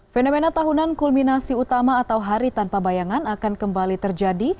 fenomena tahunan kulminasi utama atau hari tanpa bayangan akan kembali terjadi